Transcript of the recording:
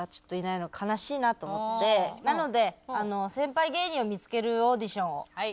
なので。